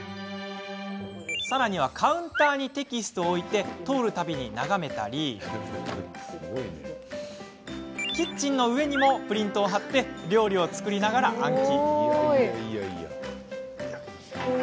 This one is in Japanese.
さらにはカウンターにテキストを置いて通るたびに眺めたりキッチンの上にもプリントを貼って、料理を作りながら暗記。